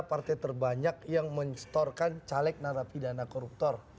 partai terbanyak yang menstorkan caleg narapidana koruptor